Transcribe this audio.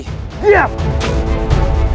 tunggu apa lagi